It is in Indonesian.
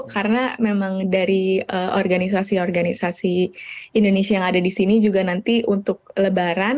karena memang dari organisasi organisasi indonesia yang ada di sini juga nanti untuk lebaran